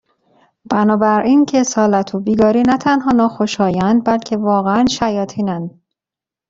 بنابراین کسالت و بیگاری نه تنها ناخوشایند بلکه واقعا شیاطینند.